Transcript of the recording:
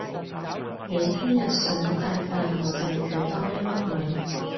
你聽日想帶飯我就煮多一嘜米